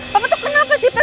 bapak tuh kenapa sih pak